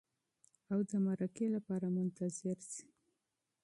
او د مرکې لپاره منتظر شئ.